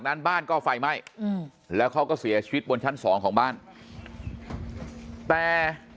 นั้นบ้านก็ไฟไหม้อืมแล้วเขาก็เสียชีวิตบนชั้นสองของบ้านแต่